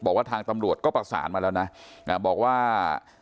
บอกว่าทางตำรวจก็ประสานมาแล้วนะบอกว่า